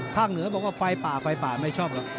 ภาคเหนือบอกว่าไฟป่าไม่ชอบหรอก